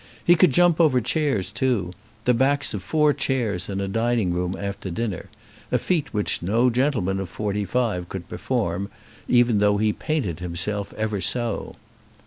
He could jump over chairs too, the backs of four chairs in a dining room after dinner, a feat which no gentleman of forty five could perform, even though he painted himself ever so.